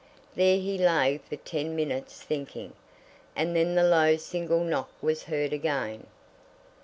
There he lay for ten minutes thinking, and then the low single knock was heard again.